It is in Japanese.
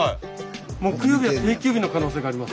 木曜日は定休日の可能性があります。